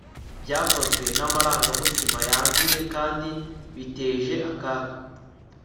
Byakozwe namarangamutima yanduye kandi biteje akaga